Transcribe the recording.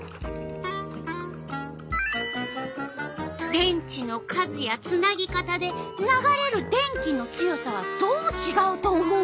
電池の数やつなぎ方で流れる電気の強さはどうちがうと思う？